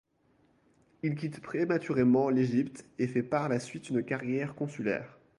Il quitte prématurément l'Égypte, et fait par la suite une carrière consulaire.